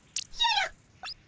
やっ